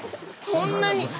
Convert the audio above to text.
こんなに！